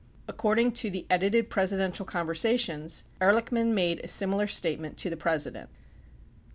92 According to the Edited Presidential Conversations, Ehrlichman made a similar state ment to the President.